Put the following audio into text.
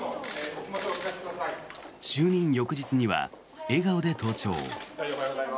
就任翌日には笑顔で登庁。